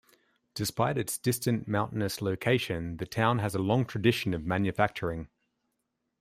Despite its distant mountainous location, the town has a long tradition of manufacturing.